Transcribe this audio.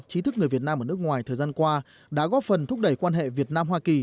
chí thức người việt nam ở nước ngoài thời gian qua đã góp phần thúc đẩy quan hệ việt nam hoa kỳ